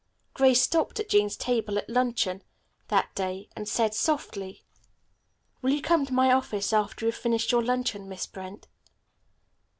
Grace stopped at Jean's table at luncheon that day and said softly. "Will you come to my office after you have finished your luncheon, Miss Brent?"